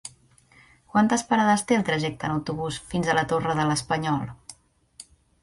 Quantes parades té el trajecte en autobús fins a la Torre de l'Espanyol?